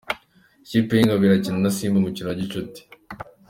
Ikipe yingabo irakina na Simba umukino wa gicuti